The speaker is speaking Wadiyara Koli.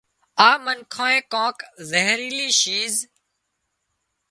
آ منکانئي ڪانڪ زهيريلي شيز